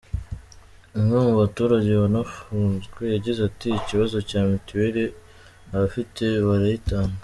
Umwe mu baturage wanafunzwe yagize ati “Ikibazo cya Mitiweli, abifite barayitanga.